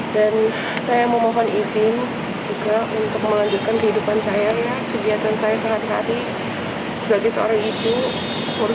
dan saya memohon izin juga untuk melanjutkan kehidupan saya kegiatan saya selama hari